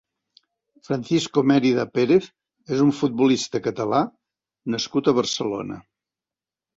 Francisco Mérida Pérez és un futbolista catallà nascut a Barcelona.